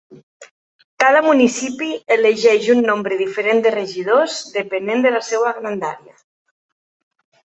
Cada municipi elegeix un nombre diferent de regidors, depenent de la seua grandària.